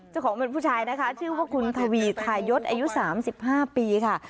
เจ้าของเป็นผู้ชายนะคะชื่อว่าคุณทวีทายศอายุ๓๕ปีค่ะ